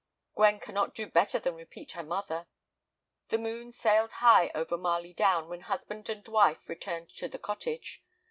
"Gwen cannot do better than repeat her mother." The moon sailed high over Marley Down when husband and wife returned to the cottage.